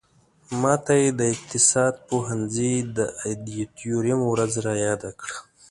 ماته یې د اقتصاد پوهنځي د ادیتوریم ورځ را یاده کړه.